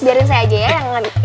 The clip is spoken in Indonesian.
biarin saya aja ya yang